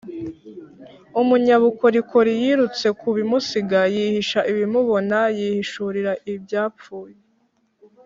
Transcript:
Umunyabukorikori yirutse ku bimusiga, yihisha ibimubona, yihishurira ibyapfuye.